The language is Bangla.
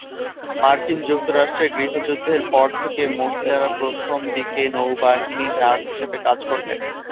মার্কিন যুক্তরাষ্ট্রের গৃহযুদ্ধের পর থেকে, মহিলারা প্রথম দিকে নৌবাহিনীর নার্স হিসেবে কাজ করতেন।